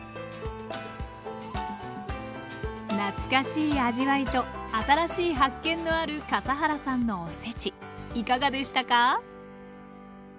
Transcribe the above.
懐かしい味わいと新しい発見のある笠原さんのおせちいかがでしたか？